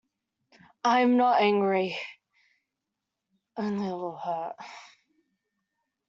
I am not angry, only a little hurt.